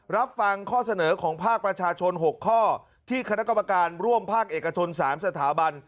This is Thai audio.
รับฟังข้อเสนอของภาคประชาชน๖ข้อที่คณะกรรมการร่วมภาคเอกชน๓สถาบัน